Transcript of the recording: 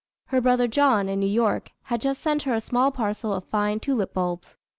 Her brother John, in New York, had just sent her a small parcel of fine tulip bulbs.